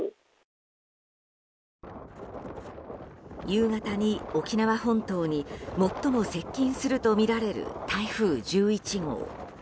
夕方に沖縄本島に最も接近するとみられる台風１１号。